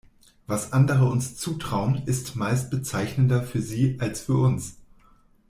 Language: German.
Was andere uns zutrauen, ist meist bezeichnender für sie als für uns.